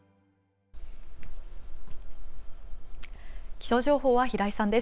気象情報は平井さんです。